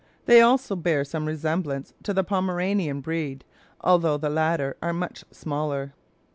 They also bear some resemblance to the Pomeranian breed, although the latter are much smaller.